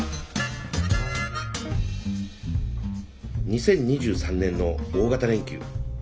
２０２３年の大型連休。